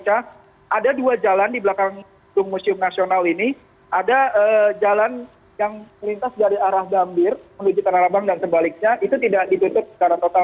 ada dua jalan di belakang gedung museum nasional ini ada jalan yang melintas dari arah gambir menuju tanah abang dan sebaliknya itu tidak ditutup secara total